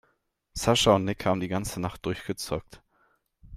Sascha und Nick haben die ganze Nacht durchgezockt.